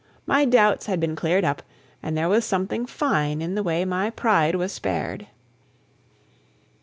My doubts had been cleared up and there was something fine in the way my pride was spared.